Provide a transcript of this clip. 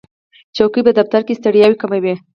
چوکۍ په دفتر کې ستړیا کموي.